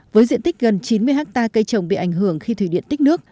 với diện tích gần chín mươi hectare cây trồng bị ảnh hưởng khi thủy điện tích nước